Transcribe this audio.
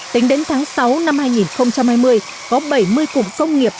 tính đến tháng sáu năm hai nghìn hai mươi có bảy mươi cụm công nghiệp